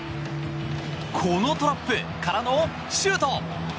このトラップ！からのシュート。